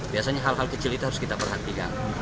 biasanya hal hal kecil itu harus kita perhatikan